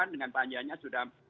dengan panjangnya sudah